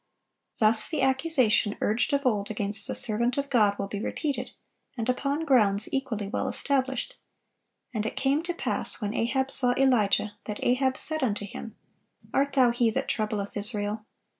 Thus the accusation urged of old against the servant of God will be repeated, and upon grounds equally well established: "And it came to pass, when Ahab saw Elijah, that Ahab said unto him, Art thou he that troubleth Israel?